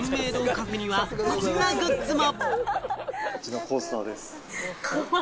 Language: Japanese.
カフェには、こんなグッズも。